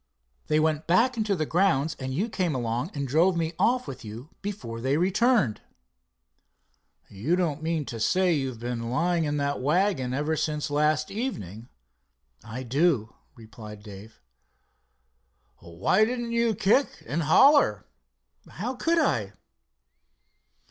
"They went back into the grounds, and you came along and drove me off with you before they returned." "You don't mean to say you've been lying in that wagon ever since last evening?" "I do," replied Dave. "Why didn't you kick and holler?" "How could I?"